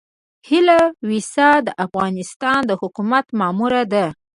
هيله ويسا د افغانستان د حکومت ماموره ده.